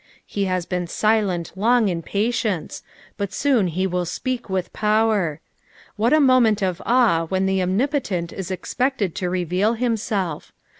He has been silent long in patience, but soon he will speak with power. What a moment of awe when the Omnipotent is expected to reveal himself